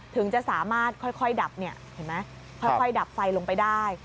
ถึงจะสามารถค่อยดับค่อยดับไฟลงไปได้